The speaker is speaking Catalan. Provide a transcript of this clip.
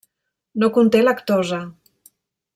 No conté lactosa.